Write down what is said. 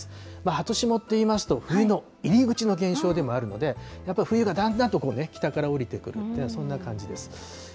初霜といいますと、冬の入り口の現象でもあるので、やっぱ冬がだんだんと北から下りてくるそんな感じです。